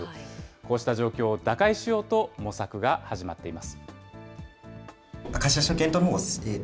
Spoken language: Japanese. こうした状況を打開しようと、模索が始まっています。